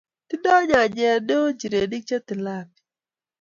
ting'doi nyanjet neoo nchirenik che tilapi